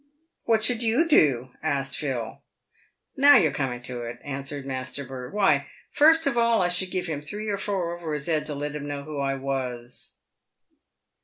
" What should you do ?" asked Phil. " Now you're coming to it," answered Master Burt. " Why, first of all I should give him three or four over his 'ead to let him know who I was."